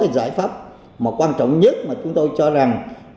giải pháp mà quan trọng nhất mà chúng tôi cho rằng